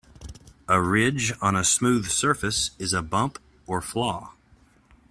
A ridge on a smooth surface is a bump or flaw.